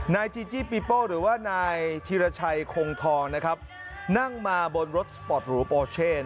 จีจี้ปีโป้หรือว่านายธิรชัยคงทองนั่งมาบนรถสปอร์ตหรูปโปเช่